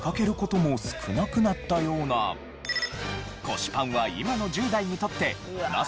腰パンは今の１０代にとってナシ？